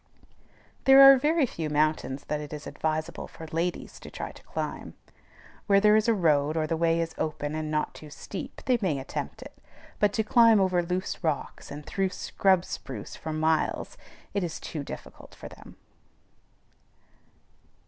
There are few mountains that it is advisable for ladies to try to climb. Where there is a road, or the way is open and not too steep, they may attempt it; but to climb over loose rocks and through scrub spruce for miles, is too difficult for them.